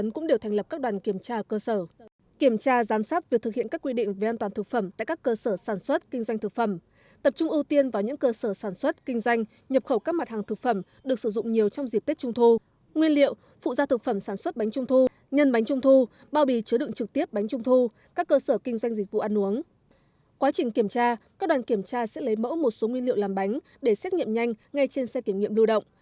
quá trình kiểm tra các đoàn kiểm tra sẽ lấy mẫu một số nguyên liệu làm bánh để xét nghiệm nhanh ngay trên xe kiểm nghiệm lưu động